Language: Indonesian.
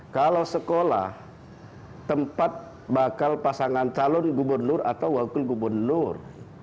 kalau sekolah tempat bakal pasangan calon gubernur atau wakil gubernur